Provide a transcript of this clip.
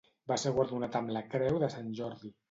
Va ser guardonat amb la Creu de Sant Jordi.